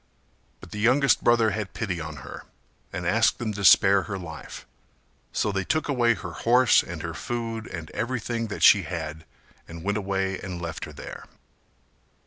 But the youngest brother had pity on her and asked them to spare her life, so they took away her horse and her food and everything that she had and went away and left her there.